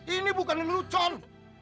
ini bukan lelucon